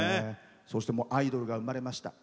そして、アイドルが生まれました。